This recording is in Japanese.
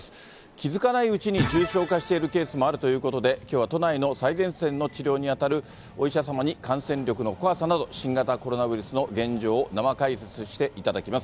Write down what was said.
気付かないうちに重症化しているケースもあるということで、きょうは都内の最前線の治療に当たるお医者様に感染力の怖さなど、新型コロナウイルスの現状を生解説していただきます。